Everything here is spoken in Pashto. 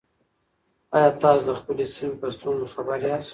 آیا تاسو د خپلې سیمې په ستونزو خبر یاست؟